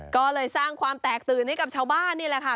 ก็เลยสร้างความแตกตื่นให้กับชาวบ้านนี่แหละค่ะ